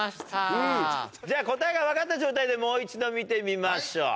じゃあ答えが分かった状態でもう一度見てみましょう。